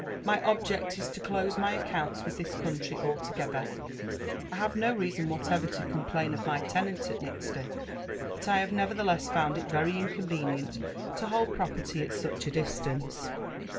My object is to close my accounts with tl)is country al together. I have no reason whatever to complain of my lenaiit a| Nixton ; but I have neverlhieless found it very incoavement to hold property at such a distance.''